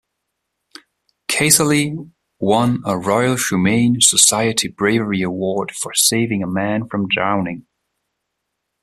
Casserly won a Royal Humane Society bravery award for saving a man from drowning.